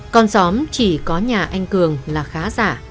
còn xóm chỉ có nhà anh cường là khá giả